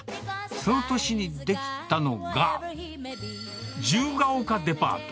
その年に出来たのが、自由が丘デパート。